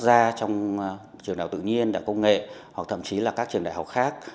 nếu mà tham gia trong trường đại học tự nhiên đại học công nghệ hoặc thậm chí là các trường đại học khác